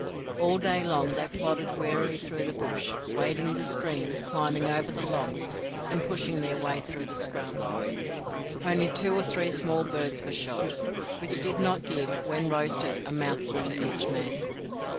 All day long they plodded wearily through the bush wading the streams, climbing over the logs, and pushing their way through the scrub. Only two or three small birds were shot, which did not give, when roasted, a mouthful to each man.